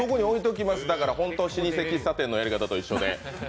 だから本当に老舗喫茶店のやり方と一緒で。